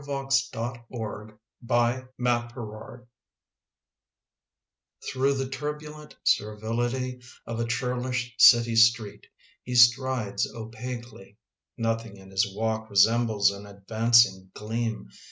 =,Cooglc nCURE Through the turbnlrat serrility Of a churlish city street He strides opaquely; Dothing in his walk Resembles sn advancing gleam.